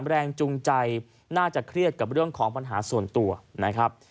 แรงจูงใจน่าจะเครียดกับเรื่องของปัญหาส่วนตัวนะครับ